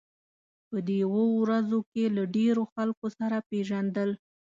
په دې اوو ورځو کې له ډېرو خلکو سره پېژندل.